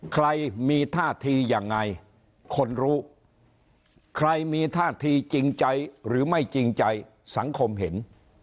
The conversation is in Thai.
ใครมีท่าทียังไงคนรู้ใครมีท่าทีจริงใจหรือไม่จริงใจสังคมเห็น